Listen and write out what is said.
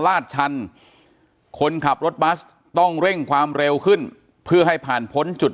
ลาดชันคนขับรถบัสต้องเร่งความเร็วขึ้นเพื่อให้ผ่านพ้นจุด